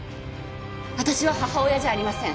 私は母親じゃありません。